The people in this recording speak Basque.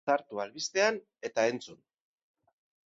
Sartu albistean eta entzun!